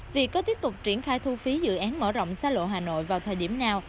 việc có tiếp tục triển khai thu phí dự án mở rộng xa lộ hà nội vào thời điểm nào